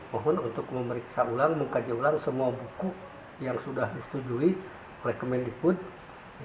mohon untuk memeriksa ulang mengkaji ulang semua buku yang sudah disetujui oleh kemendikbud